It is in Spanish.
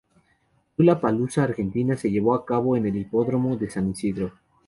Lollapalooza Argentina se llevó a cabo en el Hipódromo de San Isidro.